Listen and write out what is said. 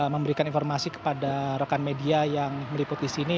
memberikan informasi kepada rekan media yang meliputi sini